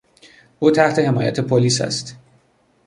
او تحت حمایت پلیس است.